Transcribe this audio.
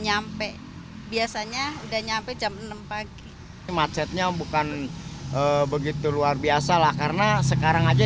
nyampe biasanya udah nyampe jam enam pagi macetnya bukan begitu luar biasa lah karena sekarang aja